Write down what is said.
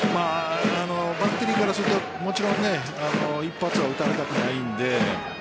バッテリーからするともちろん一発は打たれたくないので。